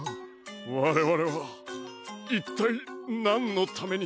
われわれはいったいなんのためにはしっていたのだ？